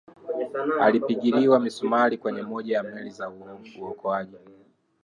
alipigiliwa misumari kwenye moja ya meli za uokoaji